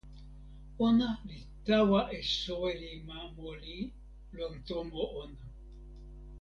ona li tawa e soweli ma moli lon tomo ona.